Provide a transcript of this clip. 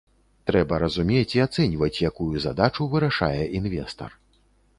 Трэба разумець і ацэньваць, якую задачу вырашае інвестар.